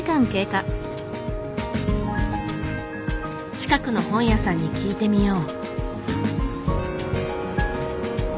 近くの本屋さんに聞いてみよう。